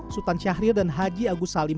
sultan syahrir dan haji agus salim